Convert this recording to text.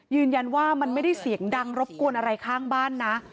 ยืนยันว่ามันไม่ได้เสียงดังรบกวนอะไรข้างบ้านนะ